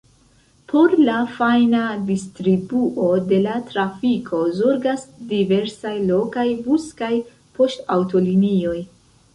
Por la fajna distribuo de la trafiko zorgas diversaj lokaj bus- kaj poŝtaŭtolinioj.